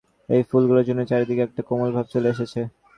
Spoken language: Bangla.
এই ফুলগুলোর জন্যেই চারদিকে একটা কোমল ভাব চলে এসেছে।